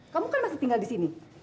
kamu kan masih tinggal disini